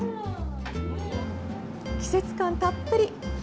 季節感たっぷり。